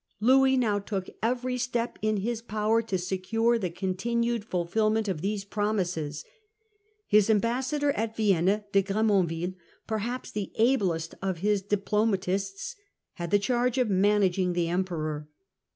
Louit now took every step in his power to secure the continued fulfilment of these promises. His ambassador at Vienna, l)e Gremonville, perhaps the ablest of his diplomatists, had the charge of managing De Gremon the Emperor.